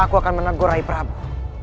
aku akan menegur rai prabu